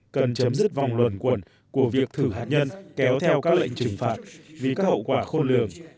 cần chấm dứt vòng luồn cuồn của việc thử hạt nhân kéo theo các lệnh trừng phạt vì các hậu quả khôn lường